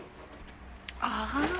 ああ。